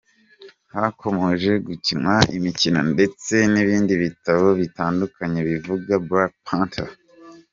Hakomeje gukinwa imikino ndetse n’ibindi bitabo bitandukanye bivuga Black Panther.